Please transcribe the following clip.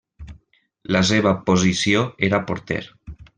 La seva posició era porter.